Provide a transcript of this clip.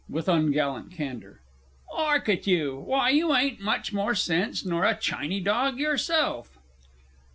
(with ungallant candour). 'Ark at you! Why you 'ain't much more sense nor a chiny dog yourself!